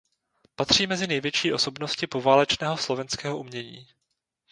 Patří mezi největší osobnosti poválečného slovenského umění.